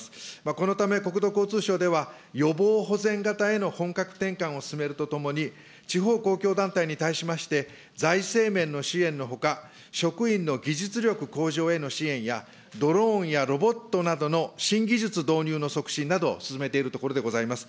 このため国土交通省では、予防保全型への本格転換を進めるとともに、地方公共団体に対しまして、財政面の支援のほか、職員の技術力向上への支援や、ドローンやロボットなどの新技術導入の促進などを進めているところでございます。